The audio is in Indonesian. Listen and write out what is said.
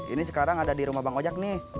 ini sekarang ada di rumah bang ojek nih